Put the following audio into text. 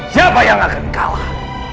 siapa yang akan kalah